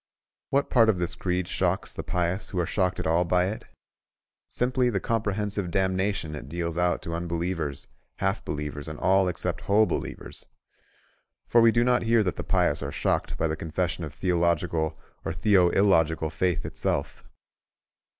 What part of this creed shocks the pious who are shocked at all by it? Simply the comprehensive damnation it deals out to unbelievers, half believers, and all except whole believers. For we do not hear that the pious are shocked by the confession of theological or theoillogical faith itself.